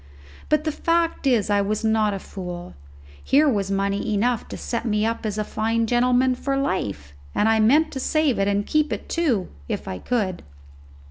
But the fact is I was not a fool. Here was money enough to set me up as a fine gentleman for life, and I meant to save it and keep it too, if I could.